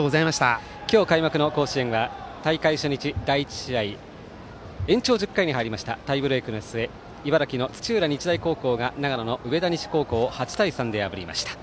今日、開幕の甲子園は大会初日第１試合延長１０回に入りましたタイブレークの末茨城の土浦日大高校が長野の上田西高校を８対３で破りました。